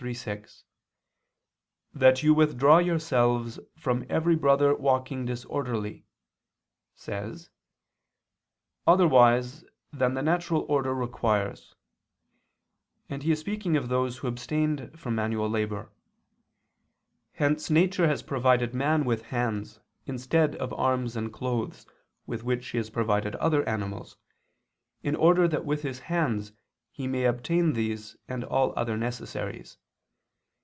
3:6, "That you withdraw yourselves from every brother walking disorderly," says, "otherwise than the natural order requires," and he is speaking of those who abstained from manual labor. Hence nature has provided man with hands instead of arms and clothes, with which she has provided other animals, in order that with his hands he may obtain these and all other necessaries.